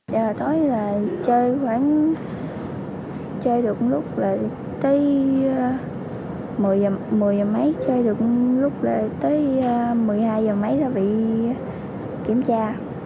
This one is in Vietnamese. giờ tối là chơi khoảng chơi được một lúc là tới một mươi giờ mấy chơi được một lúc là tới một mươi hai giờ mấy là bị kiểm tra